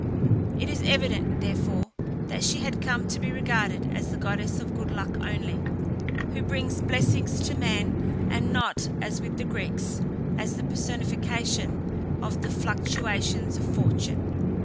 It is evident, therefore, that she had come to be regarded as the goddess of good luck only, who brings blessings to man, and not, as with the Greeks, as the personification of the fluctuations of fortune.